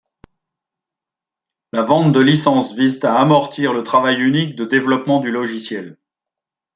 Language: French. La vente de licences vise à amortir le travail unique de développement du logiciel.